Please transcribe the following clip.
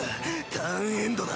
ターンエンドだ。